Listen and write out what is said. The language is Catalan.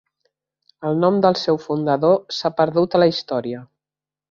El nom del seu fundador s'ha perdut a la història.